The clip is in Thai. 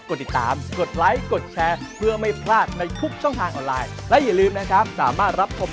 โอ้โอ้โอ้โอ้โอ้